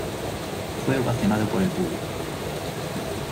Fue ovacionado por el público.